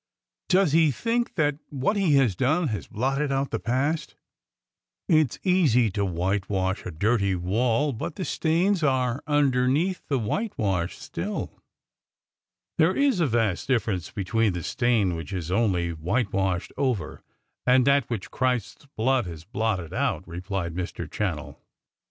"Does he think that what he has done has blotted out the past? It's easy to whitewash a dirty wall, but the stains are underneath the whitewash still." "There is a vast difference between the stain which is only whitewashed over, and that which Christ's blood has blotted out," replied Mr. Channell.